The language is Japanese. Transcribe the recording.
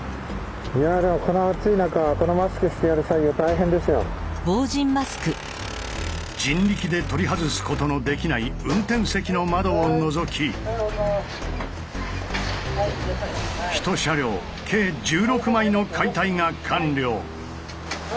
いやでも人力で取り外すことのできない運転席の窓を除きひと車両計１６枚の解体が完了。